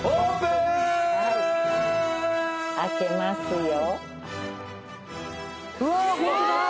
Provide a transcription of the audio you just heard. はい開けますよ。